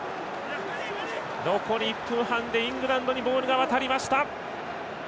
残り１分半でイングランドにボールが渡りました。